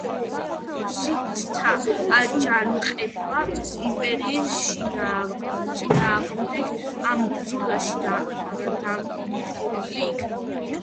სითთა აჯანყება იმპერიის წინააღმდეგ ამ ბრძოლაში დამხობილი იქნა.